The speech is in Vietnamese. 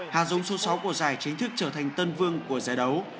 hà dũng số sáu của giải chính thức trở thành tân vương của giải đấu